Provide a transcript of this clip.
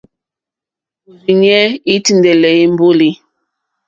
Òrzìɲɛ́ î tíndɛ̀lɛ̀ èmbólì.